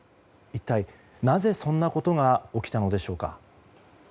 一体なぜそんなことが起きたのでしょうか。